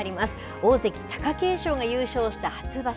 大関・貴景勝が優勝した初場所。